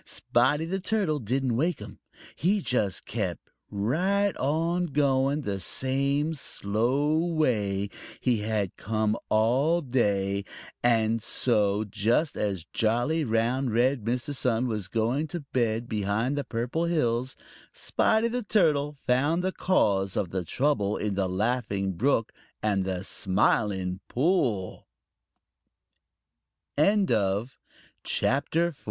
Spotty the Turtle didn't waken him. He just kept right on going the same slow way he had come all day, and so, just as jolly, round, red Mr. Sun was going to bed behind the Purple Hills, Spotty the Turtle found the cause of the trouble in the Laughing Brook and the Smiling Pool.